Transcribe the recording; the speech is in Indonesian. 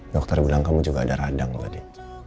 dokter bilang kamu juga ada radang tadi